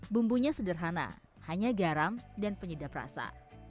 bumbunya sederhana hanya garam dan penyedap rasa